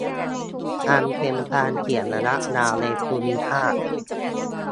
อันเป็นความเสี่ยงระยะยาวในภูมิภาค